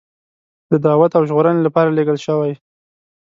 د دعوت او ژغورنې لپاره لېږل شوی.